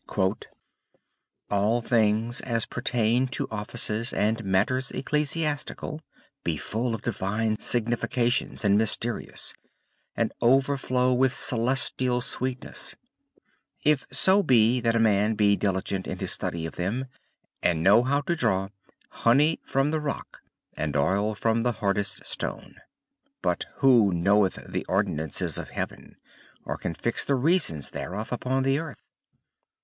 "All things, as pertain to offices and matters ecclesiastical, be full of divine significations and mysterious, and overflow with celestial sweetness; if so be that a man be diligent in his study of them, and know how to draw HONEY FROM THE ROCK, AND OIL FROM THE HARDEST STONE. But who KNOWETH THE ORDINANCES OF HEAVEN, OR CAN FIX THE REASONS THEREOF UPON THE EARTH?